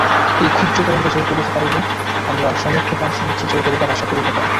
এই ক্ষুদ্র তরঙ্গ জয় করিতে পারিলে আমরা সমগ্র প্রাণসমুদ্র জয় করিবার আশা করিতে পারি।